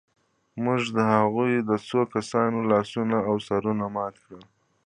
موږ د هغوی د څو کسانو لاسونه او سرونه مات کړل